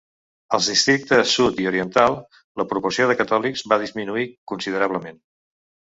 Als districtes sud i oriental, la proporció de catòlics va disminuir considerablement.